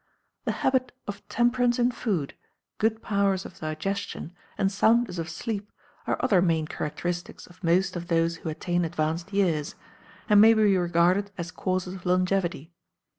The habit of temperance in food, good powers of digestion, and soundness of sleep are other main characteristics of most of those who attain advanced years, and may be regarded as causes of longevity.